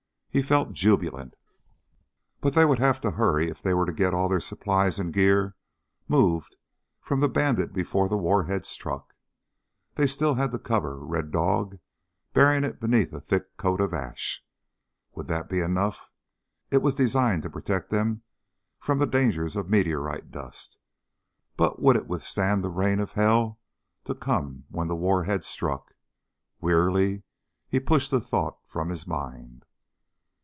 He felt jubilant. But they would have to hurry if they were to get all their supplies and gear moved from Bandit before the warhead struck. They still had to cover Red Dog, burying it beneath a thick coat of ash. Would that be enough? It was designed to protect them from the dangers of meteorite dust, but would it withstand the rain of hell to come when the warhead struck? Wearily he pushed the thought from his mind.